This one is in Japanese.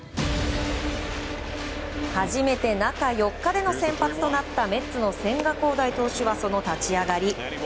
初めて中４日での先発となったメッツの千賀滉大投手はその立ち上がり